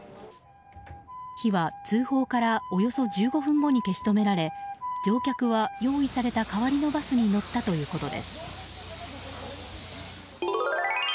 火は、通報からおよそ１５分後に消し止められ乗客は用意された代わりのバスに乗ったということです。